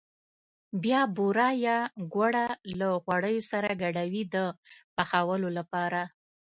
بیا بوره یا ګوړه له غوړیو سره ګډوي د پخولو لپاره.